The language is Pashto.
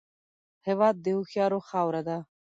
هېواد د هوښیارو خاوره ده